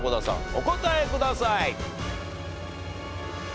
お答えください。